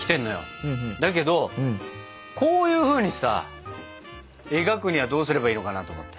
だけどこういうふうにさ描くにはどうすればいいのかなと思って。